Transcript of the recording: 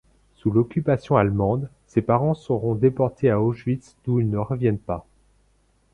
Sous l'occupation allemande ses parents seront déportés à Auschwitz d'où ils ne reviennent pas.